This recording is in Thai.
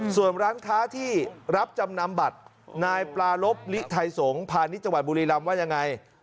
ส่วนร้านค้าที่รับจำนำบัตรนายปลารบลิไทยสงฆ์พาณิชยจังหวัดบุรีรำว่ายังไง